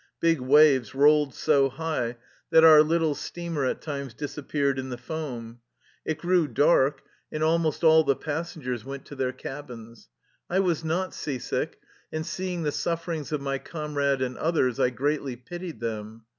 Big waves rolled so high that our little steamer at times disap peared in the foam. It grew dark, and almost 241 THE LIFE STOEY OF A RUSSIAN EXILE all the passengers went to their cabins. I was not sea sick, and seeing the sufferings of my comrade and others I greatly pitied them.